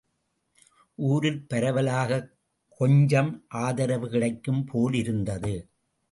ஊரில் பரவலாகக் கொஞ்சம் ஆதரவு கிடைக்கும் போலிருந்தது.